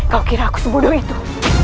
kau kira aku sebunuh itu